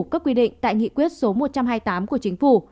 các quy định tại nghị quyết số một trăm hai mươi tám của chính phủ